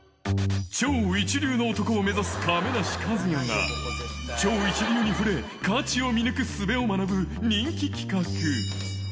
超一流の男を目指す亀梨和也が、超一流に触れ、価値を見抜くすべを学ぶ人気企画。